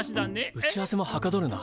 打ち合わせもはかどるな。